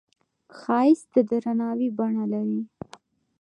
ښایست د درناوي بڼه لري